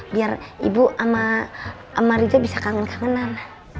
biar ibu sama amarja bisa kangen kangenan